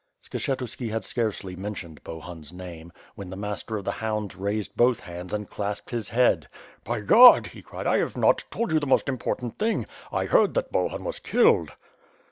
Skshetuski had scarcely mentioned Bohun's name, when the Master of the Hounds raised both hands and clasped his head. "By God!" he cried. "I have not told you the most im portant thing. I heard that Bohun was killed."